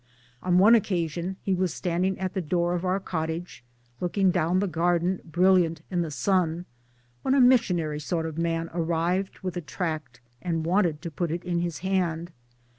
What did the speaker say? On one occasion he was standing at the door of our cottage, looking down the garden brilliant in the sun, when a missionary sort of man arrived with a tract and wanted to put it in his hand.